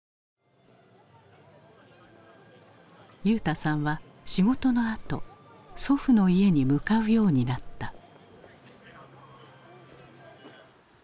裕大さんは仕事のあと祖父の家に向かうようになった。